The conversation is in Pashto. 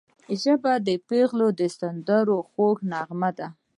ژبه د پېغلو د سندرو خوږه نغمه ده